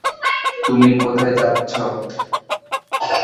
তুমি কোথায় যাচ্ছ?